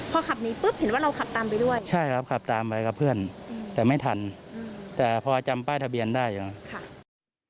พอขับหนีปุ๊บเห็นว่าเราขับตามไปด้วยใช่ครับขับตามไปกับเพื่อนแต่ไม่ทันแต่พอจำป้ายทะเบียนได้ใช่ไหม